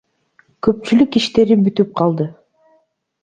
Көпчүлүк иштери бүтүп калды.